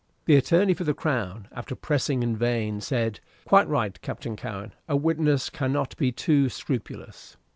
The attorney for the Crown, after pressing in vain, said, "Quite right, Captain Cowen; a witness cannot be too scrupulous."